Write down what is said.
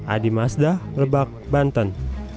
adi mazda lebak banten